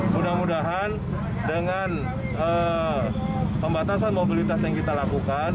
mudah mudahan dengan pembatasan mobilitas yang kita lakukan